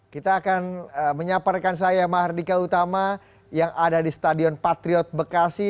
kita akan menyaparkan saya mahardika utama yang ada di stadion patriot bekasi